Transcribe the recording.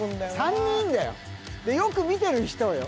３人いるんだよでよく見てる人よ